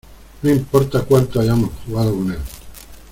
No importa cuánto hayamos jugado con él.